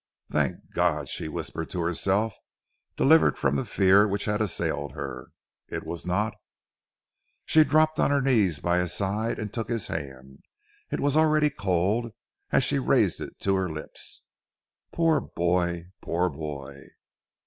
"Thank God," she whispered to herself, delivered from the fear which had assailed her, "it was not " She dropped on her knees by his side and took his hand. It was already cold, as she raised it to her lips. "Poor boy! Poor boy!"